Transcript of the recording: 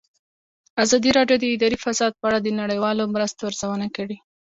ازادي راډیو د اداري فساد په اړه د نړیوالو مرستو ارزونه کړې.